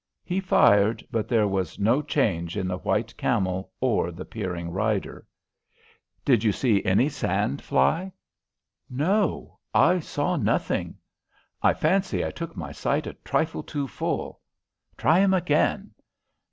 He fired, but there was no change in the white camel or the peering rider. "Did you see any sand fly?" "No; I saw nothing." "I fancy I took my sight a trifle too full." "Try him again."